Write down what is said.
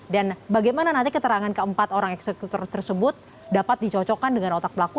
dan bagaimana nanti keterangan keempat orang eksekutor tersebut dapat dicocokkan dengan otak pelaku